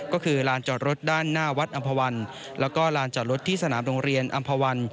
ก็คือลานจอดรถด้านหน้าวัดอำภาวันแล้วก็ลานจอดรถที่สนามโรงเรียนอำภาวัน